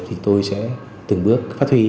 thì tôi sẽ từng bước phát huy